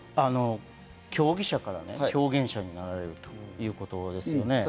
競技者から表現者になられるということですよね。